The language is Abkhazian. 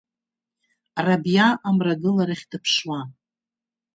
Рабиа амрагыларахь дыԥшуа.